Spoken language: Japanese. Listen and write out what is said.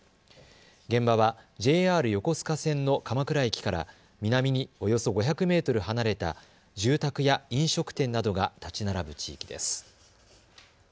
現場はＪＲ横須賀線の鎌倉駅から南におよそ５００メートル離れた住宅や飲食店などが建ち並ぶ地域です。